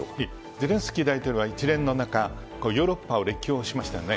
ゼレンスキー大統領は一連の中、ヨーロッパを歴訪しましたよね。